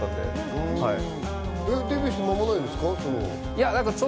デビューして間もないんですか？